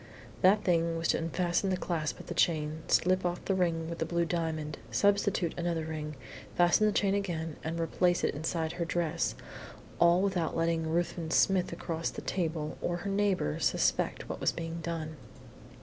That thing was to unfasten the clasp of the chain, slip off the ring with the blue diamond, substitute another ring, fasten the chain again and replace it inside her dress, all without letting Ruthven Smith across the table, or her neighbours, suspect what was being done.